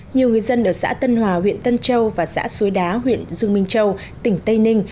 nhiều người dân ở xã tân hòa huyện tân châu và xã suối đá huyện dương minh châu tỉnh tây ninh